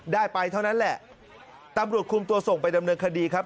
ได้ไปเท่านั้นแหละตำรวจคุมตัวส่งไปดำเนินคดีครับ